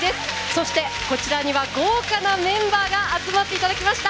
そして、こちらには豪華なメンバーに集まっていただきました。